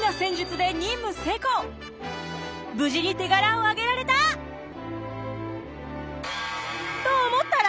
無事に手柄を挙げられた！と思ったら！